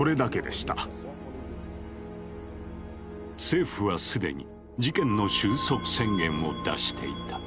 政府は既に事件の終息宣言を出していた。